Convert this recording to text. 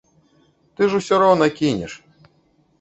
Ты ж усё роўна кінеш.